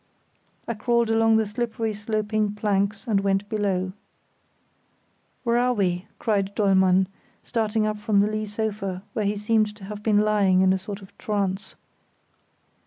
I crawled along the slippery sloping planks and went below. "Where are we?" cried Dollmann, starting up from the lee sofa, where he seemed to have been lying in a sort of trance.